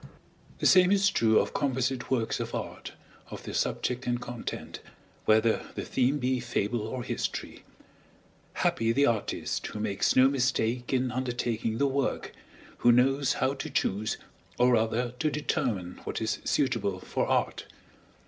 The same is true of composite works of art, of their subject and content, whether the theme be fable or history. Happy the artist who makes no mistake in undertaking the work, who knows how to choose, or rather to determine what is suitable for art!